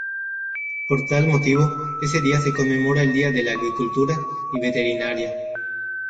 Por tal motivo, ese día, se conmemora el Día de la Agricultura y Veterinaria.